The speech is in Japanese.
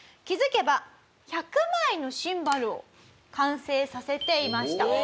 気づけば１００枚のシンバルを完成させていました。